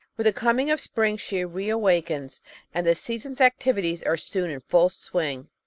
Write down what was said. With the coming of spring she reawakens, and the sea son's activities are soon in full swing.